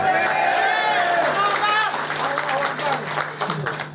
ya semoga berhasil